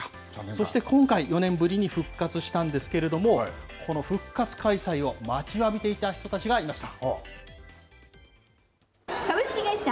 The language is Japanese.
そして今回、４年ぶりに復活したんですけれども、この復活開催を待ちわびていた人たちがいました。